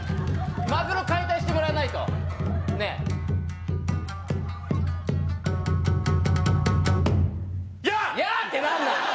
マグロ解体してもらわないとねえヤーッ「ヤーッ」て何なん？